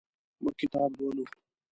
موږ کتاب لولو.